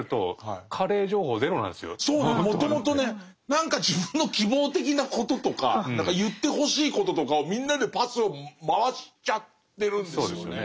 何か自分の希望的なこととか言ってほしいこととかをみんなでパスを回しちゃってるんですよね。